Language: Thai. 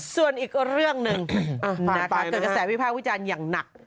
ส่วนอีกเรื่องหนึ่งเกิดกระแสวิภาควิจารณ์อย่างหนัก